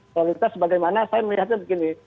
prioritas bagaimana saya melihatnya begini